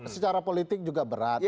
secara politik juga berat